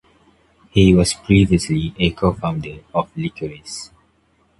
He was previously a co-founder of Lycoris.